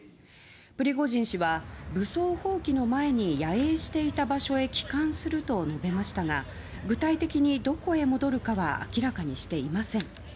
プリゴジン氏は武装蜂起の前に野営していた場所へ帰還すると述べましたが具体的にどこへ戻るかは明らかにしていません。